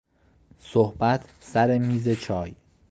صحبت سر میزچای